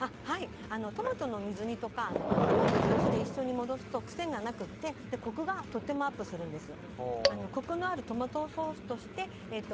トマトの水煮とかトマトジュースで一緒に戻すと癖がなくてコクがとてもアップするんです。